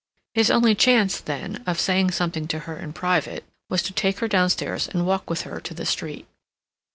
His only chance, then, of saying something to her in private, was to take her downstairs and walk with her to the street.